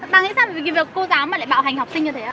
bà nghĩ sao vì cô giáo mà lại bạo hành học sinh như thế ạ